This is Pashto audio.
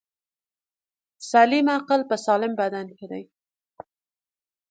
دسلیم عقل په سالم بدن کی دی.